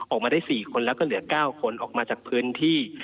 ออกมาได้๔คนแล้วก็เหลือ๙คนออกมาจากพื้นที่